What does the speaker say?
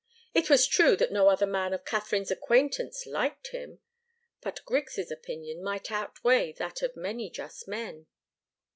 It was true that no other man of Katharine's acquaintance liked him, but Griggs' opinion might outweigh that of many just men.